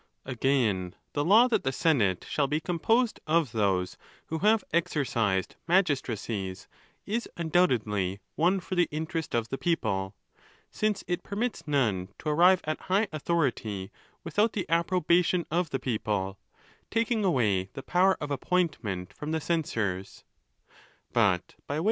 Again, the law that the senate shall be composed of those who have exercised magistracies, is undoubtedly one for the interest of the people, since it permits none to arrive at high, authority without the approbation of the people, taking away the power of appointment from the censors, But by way.